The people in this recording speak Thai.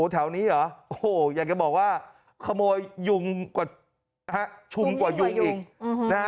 แถวนี้หรออยากจะบอกว่าขโมยหยุ่งกว่าชุมอีก